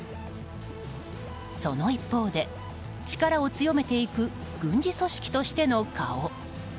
その一方で、力を強めていく軍事組織としての顔。